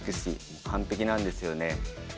完璧なんですよね。